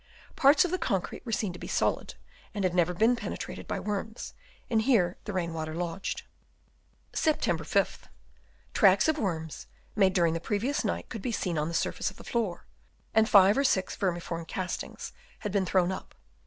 Parts of the concrete were seen to be solid, and had never been penetrated by worms, and here the rain water lodged. Sept. 5th. — Tracks of worms, made during the previous night, could be seen on the sur face of the floor, and five or six vermiform castings had been thrown up.